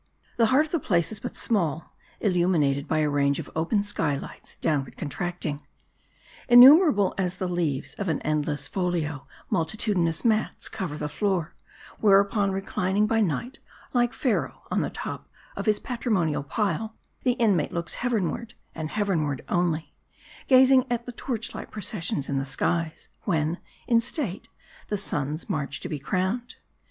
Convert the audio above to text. The heart of the place is but small ; illuminated by a range of open sky lights, downward contracting. Innumerable as the leaves of an endless folio, multitudin ous mats cover the floor ; whereon reclining by night, like Pharaoh on the top of his patrimonial pile, the inmate looks heavenward, and heavenward only ; gazing at the torch light processions in the skies, when, in state, the suns march to be crowned. MARDI.